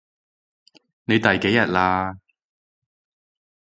你第幾日喇？